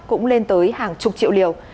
cũng lên tới hàng chục triệu liều